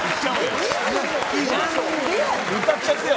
歌っちゃってよ。